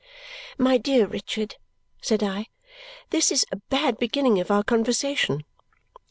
"My dear Richard," said I, "this is a bad beginning of our conversation."